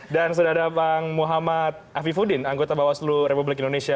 dan sudah ada bang muhammad afifuddin anggota bawaslu republik indonesia